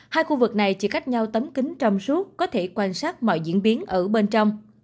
hai khu vực này chỉ cách nhau tấm kính trong suốt có thể quan sát mọi diễn biến ở bên trong